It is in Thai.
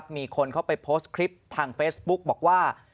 มีคนเข้าไปโพสต์คลิปทางเฟซบุ๊กบอกว่า